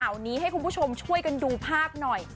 ข่าวนี้ให้คุณผู้ชมช่วยกันดูภาพหน่อย